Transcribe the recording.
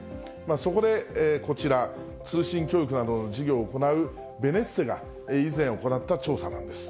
そこでこちら、通信教育などの事業を行うベネッセが以前行った調査なんです。